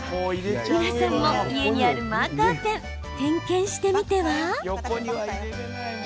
皆さんも家にあるマーカーペン点検してみては？